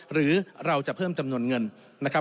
หรือเราจะเพิ่มจำนวนเงินนะครับ